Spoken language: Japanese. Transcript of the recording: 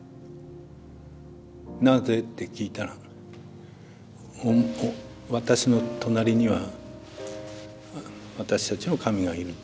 なぜって聞いたら私の隣には私たちの神がいる。